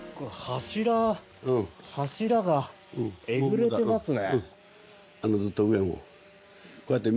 柱がえぐれてますね。